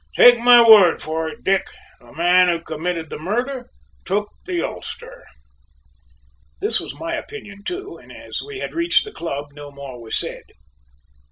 Take my word for it, Dick! the man who committed the murder took the ulster." This was my opinion, too, and as we had reached the club no more was said.